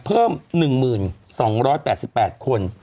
เพิ่ม๑หมื่น๒๘๘คน